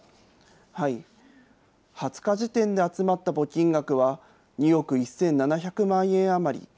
２０日時点で集まった募金額は、２億１７００万円余り。